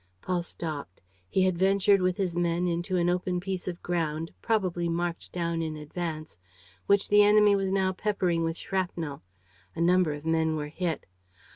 Paul stopped. He had ventured with his men into an open piece of ground, probably marked down in advance, which the enemy was now peppering with shrapnel. A number of men were hit.